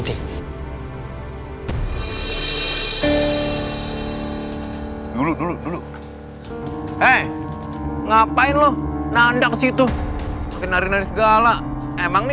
dulu dulu dulu ngapain lo nanda ke situ nari nari segala emang nih